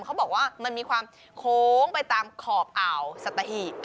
เขาบอกว่ามันมีความโค้งไปตามขอบอ่าวสัตหีบ